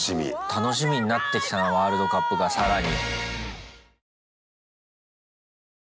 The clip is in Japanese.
楽しみになってきたなワールドカップが更に。